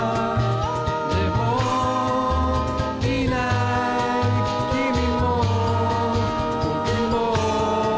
「でもいない君も僕も」